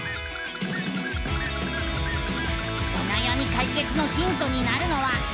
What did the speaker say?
おなやみかいけつのヒントになるのは。